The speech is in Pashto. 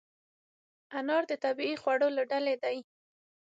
انار د طبیعي خوړو له ډلې دی.